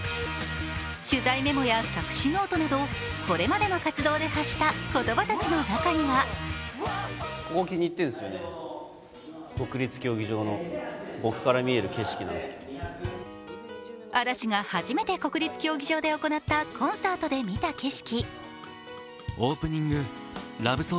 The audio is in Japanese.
取材メモや作詞ノートなどこれまでの活動で発した言葉たちの中には嵐が初めて国立競技場で行ったコンサートで見た景色。